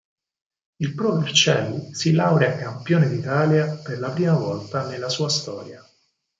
Il Pro Vercelli si laurea Campione d'Italia per la prima volta nella sua storia.